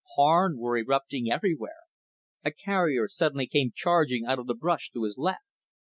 Harn were erupting everywhere. A carrier suddenly came charging out of the brush to his left.